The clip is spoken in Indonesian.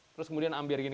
terus kemudian ambil gini